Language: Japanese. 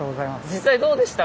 実際どうでした？